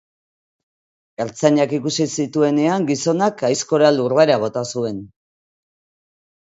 Ertzainak ikusi zituenean, gizonak aizkora lurrera bota zuen.